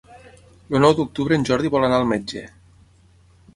El nou d'octubre en Jordi vol anar al metge.